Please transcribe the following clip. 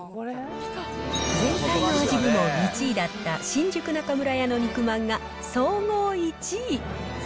全体の味部門１位だった新宿中村屋の肉まんが総合１位。